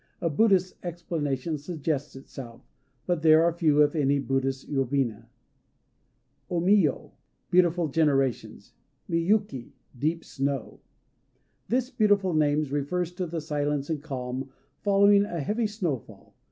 A Buddhist explanation suggests itself; but there are few, if any, Buddhist yobina. O Miyo "Beautiful Generations." Miyuki "Deep Snow." This beautiful name refers to the silence and calm following a heavy snowfall.